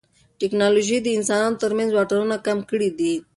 ټیکنالوژي د انسانانو ترمنځ واټنونه کم کړي دي.